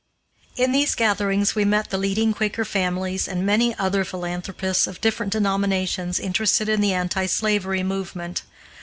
In these gatherings we met the leading Quaker families and many other philanthropists of different denominations interested in the anti slavery movement.